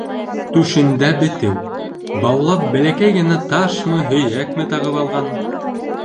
Түшендә бетеү, баулап бәләкәй генә ташмы-һөйәкме тағып алған.